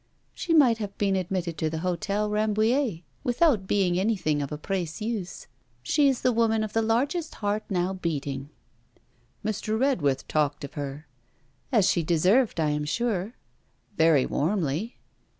'She might have been admitted to the Hotel Rambouillet, without being anything of a Precieuse. She is the woman of the largest heart now beating.' 'Mr. Redworth talked of her.' 'As she deserved, I am sure.' 'Very warmly.'